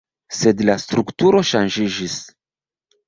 Sed la strukturo ŝanĝiĝis.